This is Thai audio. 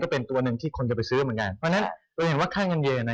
เพราะฉะนั้นก็เห็นว่าค่าเงินเยน